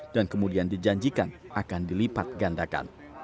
dan kemudian dijanjikan akan dilipat gandakan